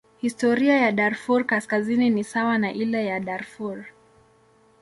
Historia ya Darfur Kaskazini ni sawa na ile ya Darfur.